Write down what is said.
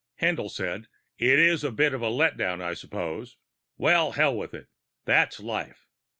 Haendl said: "It is a bit of a letdown, I suppose. Well, hell with it; that's life."